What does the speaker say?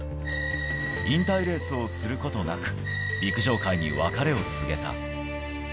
引退レースをすることなく、陸上界に別れを告げた。